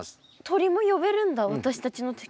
鳥も呼べるんだ私たちの力で？